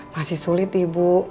masih sulit ibu